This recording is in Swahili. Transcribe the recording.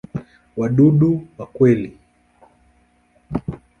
Wadudu wa kweli.